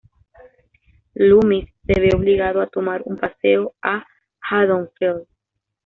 Loomis se ve obligado a tomar un paseo a Haddonfield.